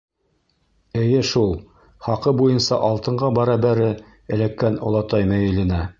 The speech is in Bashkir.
Эйе шул, хаҡы буйынса алтынға бәрәбәре эләккән олатай мәйеленә.